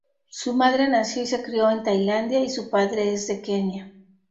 Su madre nació y se crio en Tailandia y su padre es de Kenia.